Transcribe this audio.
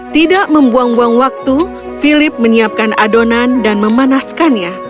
tidak membuang buang waktu philip menyiapkan adonan dan memanaskannya